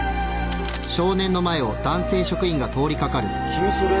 君それ。